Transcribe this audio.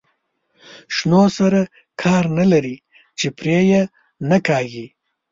شنو سره کار نه لري چې پرې یې نه کاږي.